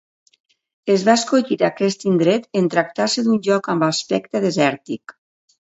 Es va escollir aquest indret en tractar-se d'un lloc amb aspecte desèrtic.